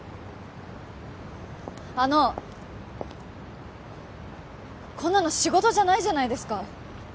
あのこんなの仕事じゃないじゃないですか